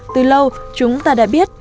từ lâu chúng ta đã biết